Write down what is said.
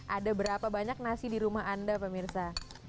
ada berapa banyak nasi di rumah anda pak mirsa